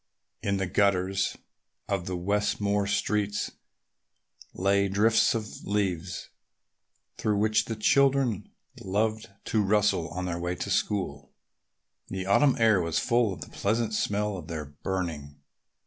In the gutters of the Westmore streets lay drifts of leaves through which the children loved to rustle on their way to school. The autumn air was full of the pleasant smell of their burning.